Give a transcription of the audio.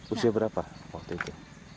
usia berapa waktu itu